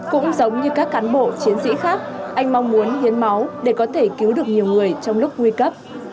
cũng giống như các cán bộ chiến sĩ khác anh mong muốn hiến máu để có thể cứu được nhiều người trong lúc nguy cấp